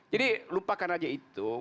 jadi lupakan aja itu